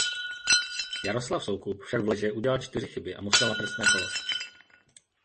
Jaroslav Soukup však vleže udělal čtyři chyby a musel na trestné kolo.